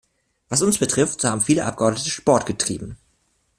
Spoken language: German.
Was uns betrifft, so haben viele Abgeordnete Sport getrieben.